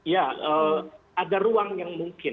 ya ada ruang yang mungkin